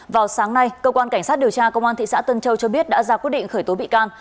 vào sáng nay cơ quan cảnh sát điều tra công an thị xã tân châu cho biết đã ra quyết định khởi tố bị can